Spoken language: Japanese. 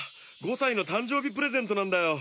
５さいのたんじょうびプレゼントなんだよ！